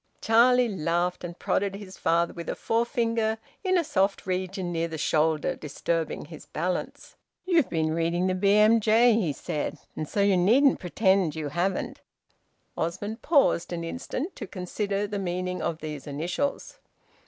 Charlie laughed, and prodded his father with a forefinger in a soft region near the shoulder, disturbing his balance. "You've been reading the `BMJ,'" he said, "and so you needn't pretend you haven't!" Osmond paused an instant to consider the meaning of these initials.